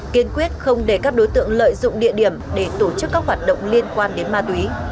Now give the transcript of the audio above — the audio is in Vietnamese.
kiên quyết không để các đối tượng lợi dụng địa điểm để tổ chức các hoạt động liên quan đến ma túy